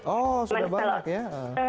oh sudah banyak ya